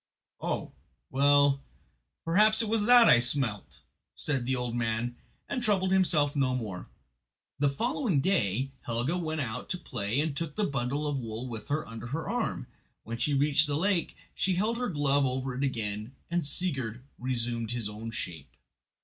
"Oh, well, perhaps it was that I smelt," said the old man, and troubled himself no more. The following day Helga went out to play and took the bundle of wool with her under her arm. When she reached the lake she held her glove over it again and Sigurd resumed his own shape.